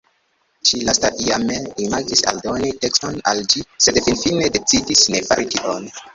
Ĉi-lasta iame imagis aldoni tekston al ĝi, sed finfine decidis ne fari tion.